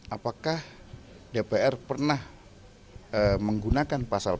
apakah dpr pernah menggunakan pasal pasal